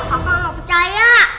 gak ada kaka gak percaya